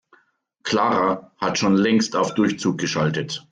Clara hat schon längst auf Durchzug geschaltet.